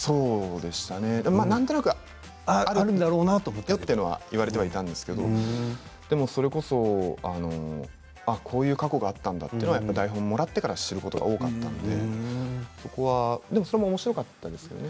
でも、なんとなくあるよというのは言われていたんですけれどこういう過去があったんだというのは台本をもらってから知ることが多かったのでおもしろかったですけどね。